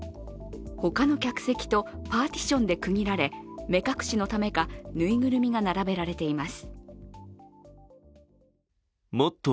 ほかの客席とパーティションで区切られ、目隠しのためか縫いぐるみが並べられています。